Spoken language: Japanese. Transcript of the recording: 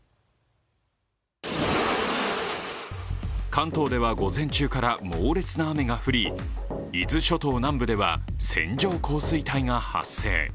関東では午前中から猛烈な雨が降り、伊豆諸島南部では、線状降水帯が発生。